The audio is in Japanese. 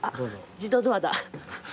自動ドアだ。